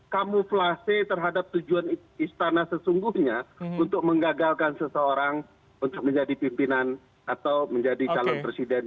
kamuflase terhadap tujuan istana sesungguhnya untuk menggagalkan seseorang untuk menjadi pimpinan atau menjadi calon presiden